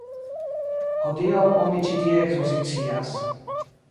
Hodiaŭ oni ĉi tie ekspozicias.